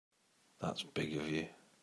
That's big of you.